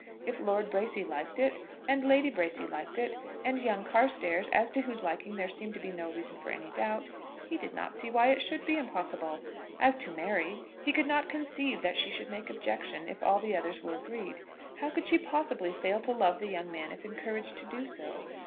If Lord Bracy liked it, and Lady Bracy liked it, and young Carstairs, as to whose liking there seemed to be no reason for any doubt, he did not see why it should be impossible. As to Mary, he could not conceive that she should make objection if all the others were agreed. How could she possibly fail to love the young man if encouraged to do so?